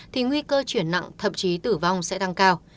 thì nguy cơ chuyển nặng thậm chí tử vong sẽ tăng cao